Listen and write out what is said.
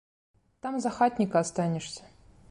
Там за хатніка астанешся.